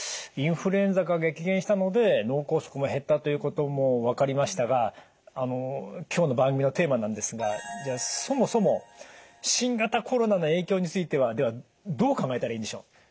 インフルエンザが激減したので脳梗塞も減ったということも分かりましたがあの今日の番組のテーマなんですがじゃあそもそも新型コロナの影響についてはではどう考えたらいいんでしょう？